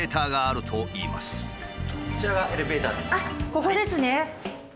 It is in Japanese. ここですね。